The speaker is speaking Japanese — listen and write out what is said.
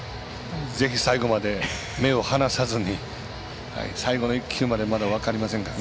ぜひ最後まで目を離さずに最後の１球までまだ分かりませんから。